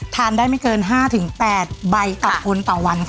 ทานได้ไม่เกิน๕๘ใบกลับนุ้นต่อวัน